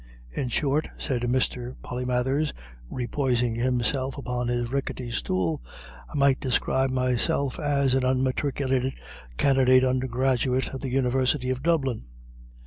In short," said Mr. Polymathers, re poising himself upon his rickety stool, "I might describe myself as an unmatriculated candidate undergraduate of the University of Dublin."